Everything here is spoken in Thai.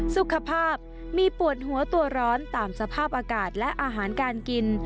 สุขภาพมีปวดหัวตัวร้อนตามสภาพอากาศและอาหารการกิน